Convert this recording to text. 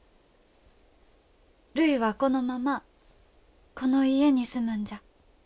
るいはこのままこの家に住むんじゃ。